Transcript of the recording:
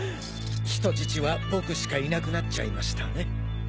人質は僕しかいなくなっちゃいましたね。